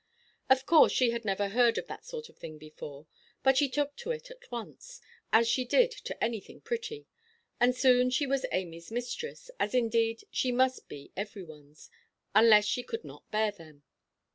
Of course she had never heard of that sort of thing before, but she took to it at once, as she did to anything pretty; and soon she was Amyʼs mistress, as indeed she must be every oneʼs, unless she could not bear them.